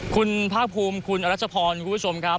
คุณภาคภูมิคุณอรัชพรคุณผู้ชมครับ